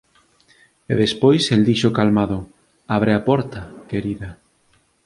E despois el dixo calmado “Abre a porta, querida”.